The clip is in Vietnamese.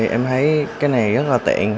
em thấy cái này rất là tiện